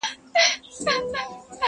• در جارېږم مقدسي له رِضوانه ښایسته یې,